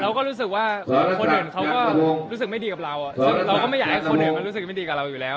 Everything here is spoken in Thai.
เราก็รู้สึกว่าคนอื่นเขาก็รู้สึกไม่ดีกับเราเราก็ไม่อยากให้คนอื่นมารู้สึกไม่ดีกับเราอยู่แล้ว